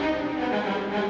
ya allah taufan